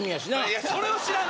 いやそれは知らん。